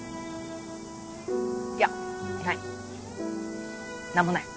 いやない。